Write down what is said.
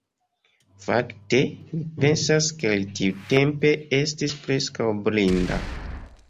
Fakte, mi pensas ke li tiutempe estis preskaŭ blinda.